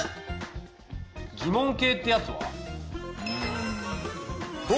「疑問系」ってやつは？